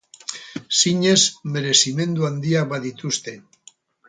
Zinez merezimendu handiak badituzte.